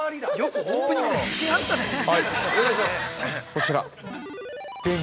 ◆こちら。